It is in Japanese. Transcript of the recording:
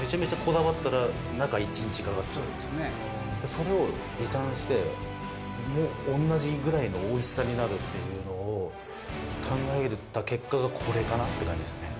「それを時短しても同じぐらいのおいしさになるっていうのを考えた結果がこれかなって感じですね」